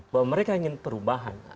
bahwa mereka ingin perubahan